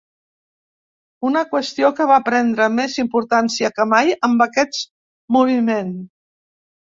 Una qüestió que va prendre més importància que mai amb aquest moviment.